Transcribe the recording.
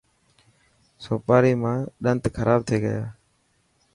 سوپاري مان ڏنت خراب ٿي تا.